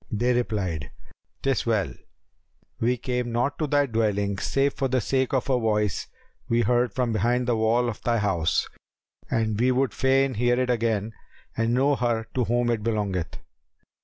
They replied, "'Tis well: we came not to thy dwelling save for the sake of a voice we heard from behind the wall of thy house, and we would fain hear it again and know her to whom it belongeth.